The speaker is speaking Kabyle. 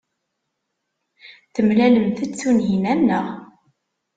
Temlalemt-d Tunhinan, naɣ?